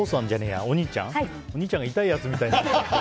お兄ちゃんが痛いやつみたいになって。